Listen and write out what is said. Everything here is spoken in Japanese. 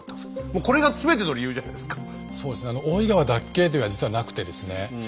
もうこれが全ての理由じゃないですか。